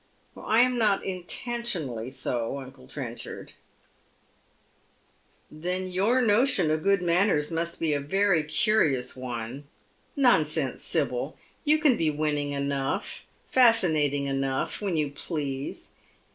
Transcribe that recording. " I am not intentionally eo, uncle Trenchard." 840 Bead Men's Sh/iU " Then your notion of good manners must be a very cnrion* one. Nonsense, Sibyl ! you can be winning enough, fascinating enough, when you please.